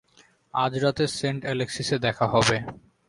আজ রাতে সেন্ট অ্যালেক্সিসে দেখা হবে।